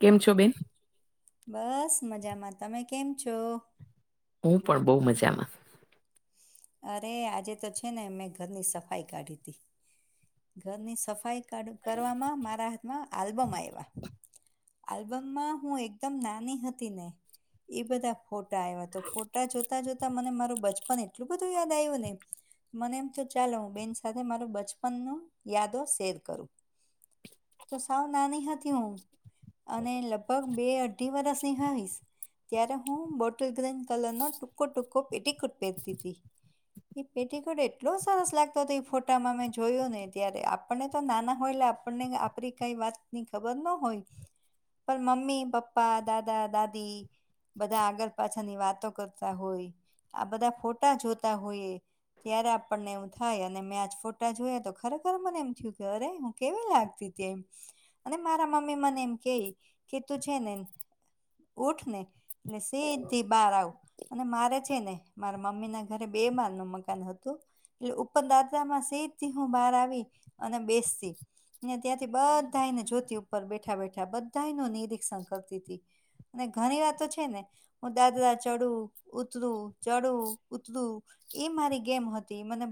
કેમ છો બેન- બસ મજામાં તમે કેમ છો- હું પણ બઉુ મજામાં- અરે આજે તો છે ને મેં ઘરની સફાઈ કાઢી હતીી ઘરની સફાઈ. કર મારા હાથમાં આલ્બમ આવ્યા. આલ્બમમાં હું એકદમ નાની હતી ને એ બધા ફોટા આવ્યા તો ફોટા જોતા જોતા મને મારું બચપન એટલું બધું યાદ આવ્યું ને મને એમ તો ચાલો હું બેન સાથે મારું બચપન ન યાદો શેર કરું. તો સાવ નાની હતી હું- અને લગભગ બે અઢી વરષની હઈશ- ત્યારે હું બોટલ ગ્રીન કલર નો ટૂકો ટૂકો ટિકટ પહેરતી હતી- એ પેટીકોટ એટલો સરસ લાગતો હતો એ ફોટામાં મેં જોયો ને ત્યારે- આપણને તો નાના હોય એટલે આપણને આપણી કઈ વાતની ખબર ના હોય- પણ મમ્મી પપ્પા દાદા દાદી- બધા આગળ પાછળની વાતો કરતા હોય આ બધા ફોટા જોતા હોયએ. ત્યારે આપણને એવું થાય અને મેં આજ ફોટા જોયા તો ખરેખર મને એમ થયું કે અરે હું કેવી લાગતી. અને મારા મમ્મી મને એમ કે કે તું છે ને. ઉઠ ને એટલે સેજથી બહાર આવું અને મારે છે ને મારે મમ્મી ના ઘરે બે માલ નું મકાન હતું. એટલે ઉપર દાદા માં સે થી હું બહાર આવી અને બેસતી. ત્યાંથી બધાને જ્યોતી ઉપર બેઠા બેઠા બધા ન નિરીક્ષણ કરતી હતી. અને ઘણી વાત તો છે ને હું દાદાદા ચડું ઉતરું ચડું. ઉતરું. એ મારી ગેમ હતી મને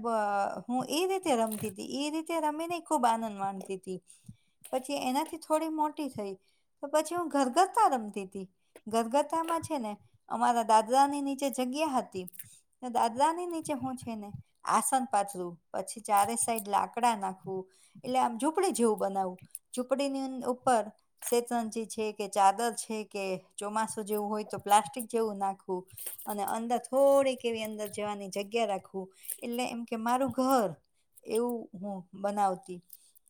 હું એ રીતે રમતી હતી એ રીતે રમીને ખુબ આનંદ માણતી. પછી એનાથી થોડી મોટી થઈ તો પછી હું ઘરઘરતા રમતી હતી. ઘરગથામાં છે ને અમારા દાદાની નીચે જગ્યા હતી. દાદા ની નીચે હું છે ને. આસન પાથરું પછી ચારે સાઈડ લાકડા નાખુ. એટલે આમ ઝૂંપડી જેવું બનાવવું ઝૂંપડીની ઉપર શેતંજી છે કે ચાદર છે કે ચોમાસું જેવું હોય તો પ્લાસ્ટિક જેવું નાખવું. અને અંદર થોડીક એવી અંદર જવાની જગ્યા રાખવું એટલે એમ કે મારું ઘર એવું હું બનાવતી.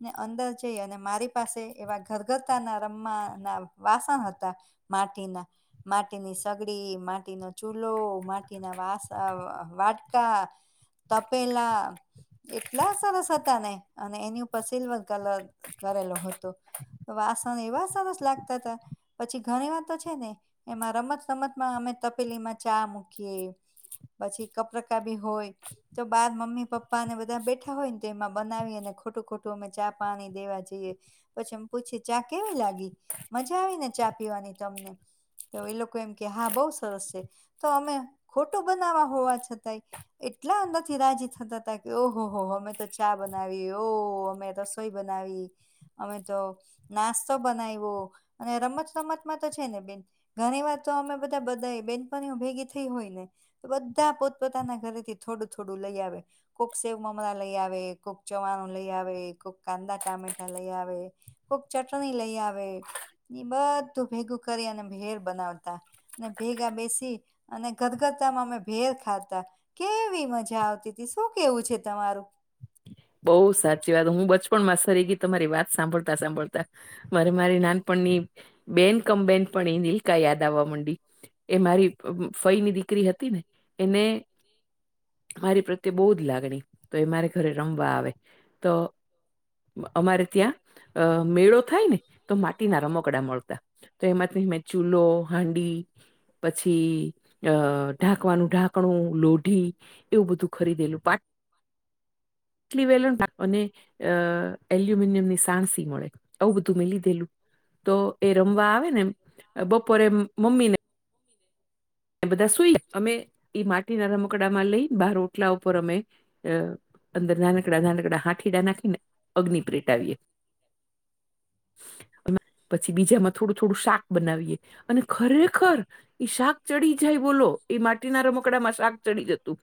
ને અંદર જઈ અને મારી પાસે એવા ઘરઘરતા ના રમવા ના વાસણ હતા. માટીના માટીની સગડી માટીનો ચૂલો માટીના વાસ અ વાટકા તપેલા. એટલા સરસ હતા ને અને એની ઉપર સિલ્વર કલર કરેલો હતો. વાસન એ વાસન જ લાગતા હતા. પછી ઘણી વાર તો છે ને એમાં રમતસમતમાં અમે તપેલીમાં ચા મૂકીએ. પછી કપરાકા બી હોય. તો બાર મમ્મી પપ્પા ને બધા બેઠા હોય ને તો એમાં બનાવી અને ખોટું ખોટું અમે ચા પાણી દેવા જઈએ. પછી પૂછી ચા કેવી લાગી મજા આવી ને ચા પીવાની તમને. તો એ લોકો એમ કે હા બહુ સરસ છે તો અમે ખોટું બનાવા હોવા છતાંય એટલા અંદર થી રાજી થતા હતા કે ઓહો હો અમે તો ચા બનાવી ઓ અમે તો. સોઈ બનાવી. અમે તો નાસ્તો બનાવ્યો અને રમત રમતમાં તો છે ને બેન. ઘણી વાર તો અમે બધા બધા બેનપ ભેગી થઈ હોય ને. બધા પોતપોતાના ઘરે થી થોડું થોડું લઈ આવે. કોક સેવ મમરા લઈ આવે કોઈક ચવાણું લઈ આવે કોઈક કાંદા ટામેટા લઈ આવે. કોક ચટણી લઈ આવે બધું ભેગું કરી અને ભેર બનાવતા. અને ભેગા બેસી અને ગદગદ અમે ભેર ખાતા કેવી મજા આવતી હતી શું કેવું છે તમારું? બહુ સાચી વાત હું બચપણમાં સરી ગઈ તમારી વાત સાંભળતા સાંભળતા. મારે મારી નાનપણની બેન કમ બેેન પણ એ નીલકા યાદ આવવા માંડી. એ મારી ફઈ ની દીકરી હતી ને મારી પ્રત્યે બહુ જ લાગણી તો એ મારે ઘરે રમવા આવે તો અમારે ત્યાં અ મેળો થાય ને તો માટીના રમકડા મળતા તો એમાંમે ચૂલો હાંડી પછી અ ઢાંકવાનું ઢાંકણું લોઢી એવું બધું ખરીદેલું પા ટ વેલ અને અ એલ્યુમિનિયમ ની સાણસી મળે આવું બધું મેલી દેલું. તો એ રમવા આવે ને બપોરે મમ્મી ને [inaudible] એ બધા સુઈ અમે એ માટીના રમકડામાં લઈ બહાર રટલા ઉપર અમે અંદર નાનકડા નાનકડા હાંઠીડા નાખીને અગ્નિ પેટાવીએ [inaudible] પછી બીજામાં થોડું થોડું શાક બનાવીએ અને ખરેખર ઈ શાક ચડી જાય બોલો એ માટીના રમકડામાં શાક ચડી જતું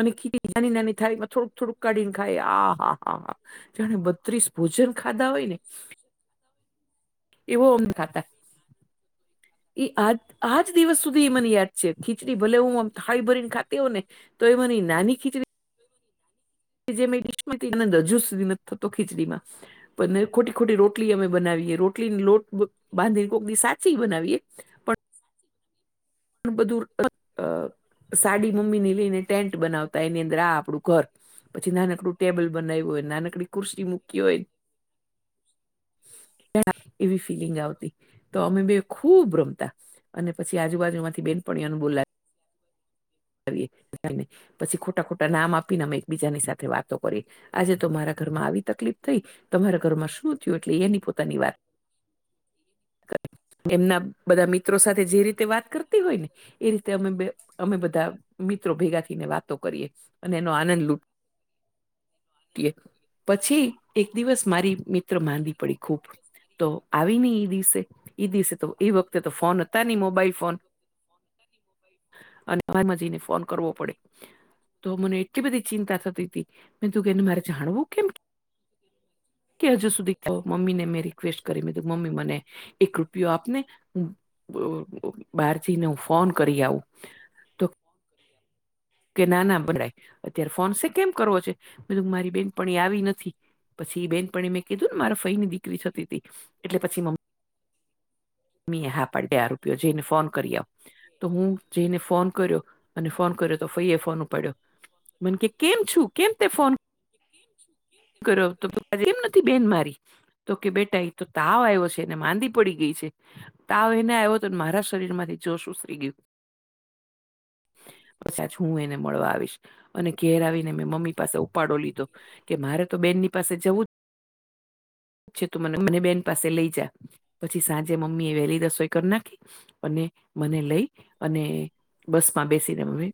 અને ખી નાની નાની થાળીમાં થોડુંક થોડુંક કાઢીને ખાય આ હા હા હા તેણે બત્રીસ ભોજન ખાધા હોય ને એવો ઓમ ખાતા [inaudible] એ આજ આજ દિવસ સુધી એ મને યાદ છે ખીચડી ભલે હુંમ હાળી ભરીને ખાતી હો ને તો એ મને નાની ખીચડી કે જે મેં ડિશમાંથી એ અંદરજ સુધી નથી થતો ખીચડીમાં પણ ખોટી ખોટી રોટલી અમે બનાવીએ રોટલી લોટ બાંધીને કોકની સાચી બનાવીએ પણ બધું સાડી મમ્મી ની લઈને ટેન્ટ બનાવતા એની અંદર આ આપડું ઘર પછી નાનકડું ટેબલ બનાવ્યું હોય નાનકડી કુરસી મૂકી હોય. હ એવી ફીલિંગ આવતી તો અમે બે ખુબ રમતા અને પછી આજુબાજુમાંથી બેનપણઓનો બોલા જને પછી ખોટા ખોટા નામ આપીને અમે એકબીજાની સાથે વાતો કરી આજે તો મારા ઘરમાં આવી તકલીફ થઈ તમારા ઘરમાં શું થયું એટલે એની પોતાની વાત [inaudible] એમના બધા મિત્રો સાથે જે રીતે વાત કરતી હોય ને એ રીતે અમે અમે બધા મિત્રો ભેગા થઈને વાતો કરીએ અને એનો આનંદ લૂટ પછી એક દિવસ મારી મિત્ર માંદીી પડી ખૂબ તો આવી નહી એ દિવસે એઈ દિવસે એ વખતે તો ફોન હતા નહી મોબાઈલ ફોન અને જઈને ફોન કરવો પડે તો મને એટલી બધી ચિંતા થતી હતી મે તું કે એને મારે જાણવું કેમ કે હજુ સુધી કો મમ્મી ને મે રિક્વેસ્ટ કરી તો મમ્મી મને એક રૂપિયો આપને બાર જઈને હું ફોન કરી આવું. તો કે નાના બરાય અત્યારે ફોન છે કેમ કરવો છે બધું મારી બેનપણી આવી નથી. પછી બેન પણ મેં કીધું ને મારા ફઈ ની દીકરી થતી હતી એટલે પછી મમ્મ મં હેપડે રૂપિયો જેઈને ફોન કરી્યાવ તો હું જઈને ફોન કર્યો અને ફોન કર્યો તો ફઈ એ ફોન ઉપાડ્યો ન કે કેમ છું કેમ તે ફોન કે કેમ છ [unintelligible] કરો તો પપ કેમ નથી બેન મારી તો કે બેટા એ તો તાવ આવ્યો છે એને માંદીી પડી ગઈ છે. તાવ એને આવ્યો તો મારા શરીર માંથી જોશું સુસ્તી ગયું. પ સાચ હું એને મળવા આવીશ અને ઘેરવીને મેં મમ્મી પાસે ઉપાડો લીધો. કે મારે તો બેનની પાસે જવું જ છે તું મને મને બેન પાસે લઈ જા પછી સાંજે મમ્મી એ વહેલી રસોઈ કરી નાખી અને મને લઈ અને બસ માં બેસીનેમે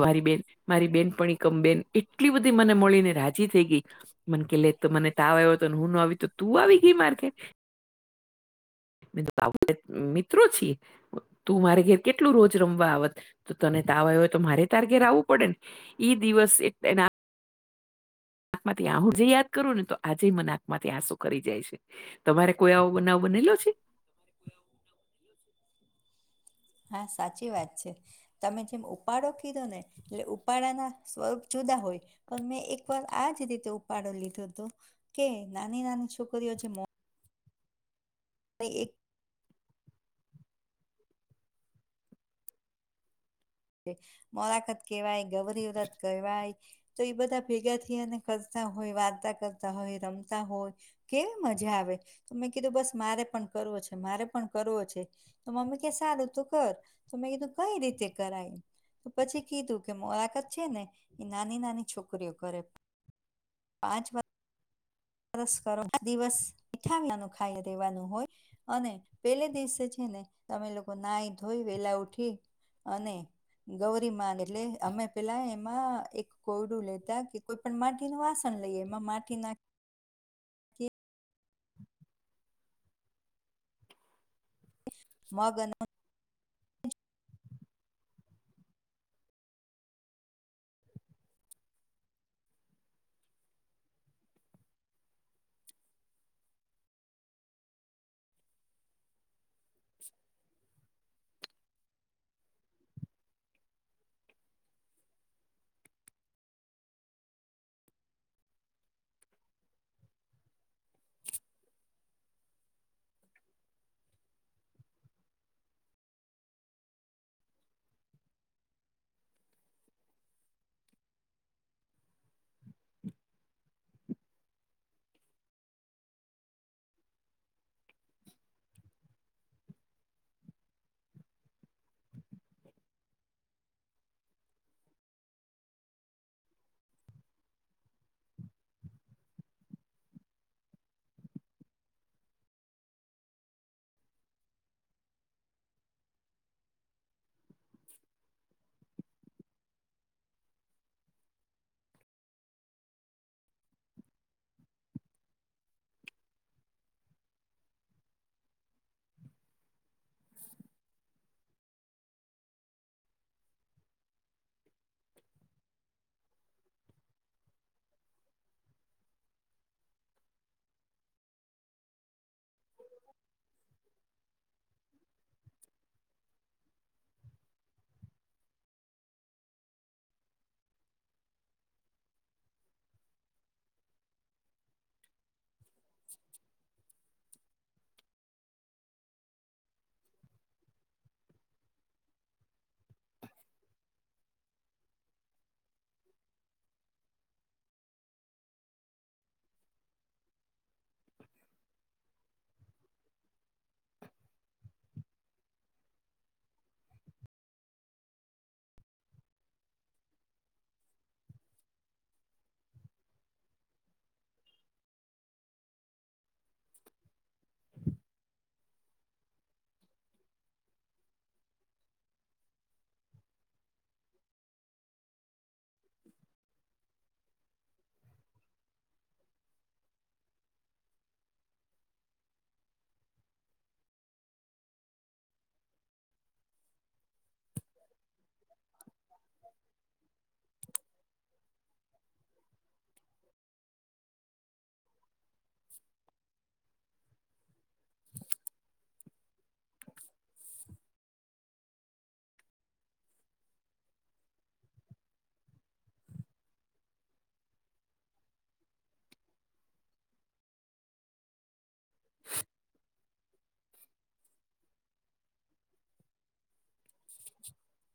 મારી બેન મારી બેન પણ એકમ બેન એટલી બધી મને મળીને રાજી થઈ ગઈ, મને કે લે તો મને તાવ આવ્યો હતોને હું નો આવી તો તું આવી ગી મારે ઘેર [inaudible] બુ મિત્ર છ [unintelligible] તું મારે ઘેર કેટલું રોજ રમવા આવેત તો તને તાવ આવ હોય તો મારે તાર ઘેર આવવું પડે ને ઈ દિવસ તેના આંખમાં ત્યાં હું જે યાદ કરું ને તો આજે મને આં માં ત્યાં શું ખરી જાય છે તમારે કોઈ આવો બનાવ બનેલો છે હા સાચી વાત છે. તમે જેમ ઉપાડો કીધો ને એટલે ઉપાડાના સ્વરૂપ જુદા હોય. પણ મેં એક વાર આજ રીતે ઉપાડો લીધો હતો કે નાની નાની છોકરીઓ જે એક મોલાખત કેવાય ગૌરી વ્રત કહેવાય તો એ બધા ભેગા થઈ એને કરતા હોય વાર્તા કરતા હોય રમતા હોય કેવી મજા આવે તો મેં કીધું બસ મારે પણ કરવો છે મારે પણ કરવો છે તો મમ્મી કે સારું તું કર તો મેં કીધું કઈ રીતે કરાય તો પછી કીધું કે મોલાખત છે ને એ નાની નાની છોકરીઓ કરે પાંચ વા સરસ કરો દિવસ મીઠા પી નનું ખાઈ દેવાનું હોય અને પેલે દિવસે છે ને તમે લોકો ના ધોઈ વેલા ઉઠી અને ગૌરીમાન એટલે અમે પેલા એમાં એક કોયડું લેતા કે કોઈ પણ માટી ના વાસણ લઈએ એમાં માટી નાખી મગન [inaudible] [inaudible] [inaudible] [inaudible]